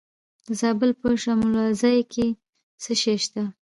د زابل په شمولزای کې څه شی شته؟